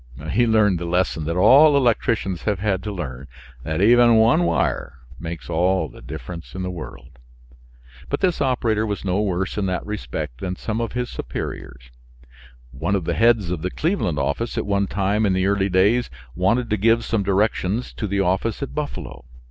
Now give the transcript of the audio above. He learned the lesson that all electricians have had to learn that even one wire makes all the difference in the world. But this operator was no worse in that respect than some of his superiors. One of the heads of the Cleveland office at one time in the early days wanted to give some directions to the office at Buffalo.